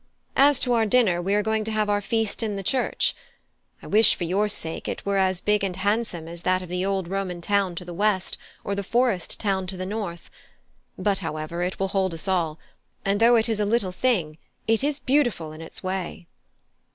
As to our dinner, we are going to have our feast in the church. I wish, for your sake, it were as big and handsome as that of the old Roman town to the west, or the forest town to the north; but, however, it will hold us all; and though it is a little thing, it is beautiful in its way."